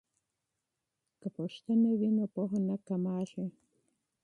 که پوښتنه وي نو پوهه نه کمیږي.